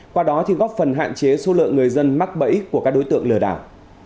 qua đó thì góp phần hạn chế số lượng người dân mắc bẫy của các đối tượng lừa đảo